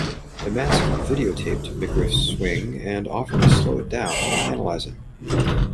Emanski videotaped McGriff's swing and offered to slow it down and analyze it.